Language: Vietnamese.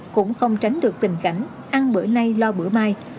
cũng không tránh được tình cảnh ăn bữa nay lo bữa mai